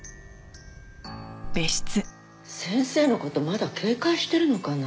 先生の事まだ警戒してるのかな？